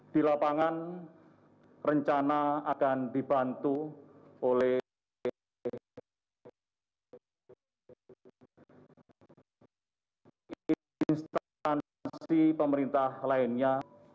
di lapangan rencana akan dibantu oleh instansi pemerintah lainnya